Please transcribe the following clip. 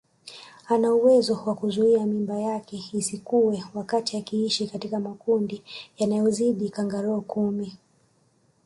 Ana uwezo wa kuzuia mimba yake isikue wakati akiishi katika makundi yanayozidi kangaroo kumi